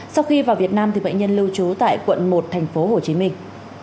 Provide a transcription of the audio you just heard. sau khi vào việt nam bệnh nhân lưu trú tại quận một thành phố hồ chí minh